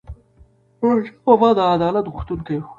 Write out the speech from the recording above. احمدشاه بابا د عدالت غوښتونکی و.